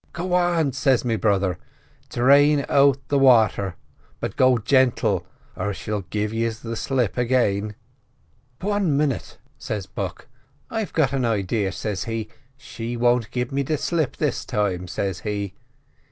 "'Go on,' says me brother. 'Drain out the wather, but go gentle, or she'll give yiz the slip again.' "'Wan minit,' says Buck, 'I've got an idea,' says he; 'she won't give me the slip this time,' says he.